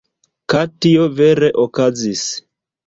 Ka tio vere okazis.